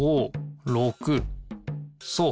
そう。